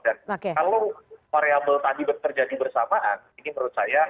dan kalau variable tadi terjadi bersamaan ini menurut saya